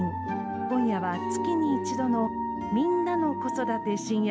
今夜は月に一度の「みんなの子育て☆深夜便」。